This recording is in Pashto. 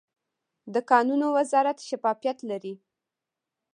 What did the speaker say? د کانونو وزارت شفافیت لري؟